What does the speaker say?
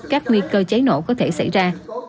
các nguy cơ cháy nổ có thể xảy ra